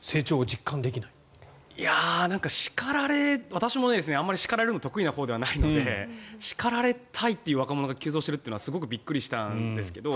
私もあまり叱られるの得意なほうではないので叱られたいっていう若者が急増しているっていうのはすごくびっくりしたんですけど。